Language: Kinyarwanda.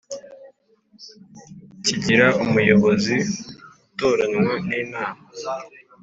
Kigira umuyobozi utoranywa n inama